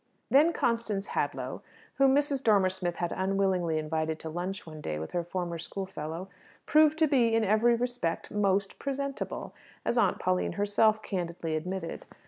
Then Constance Hadlow, whom Mrs. Dormer Smith had unwillingly invited to lunch one day with her former schoolfellow, proved to be in every respect "most presentable," as Aunt Pauline herself candidly admitted.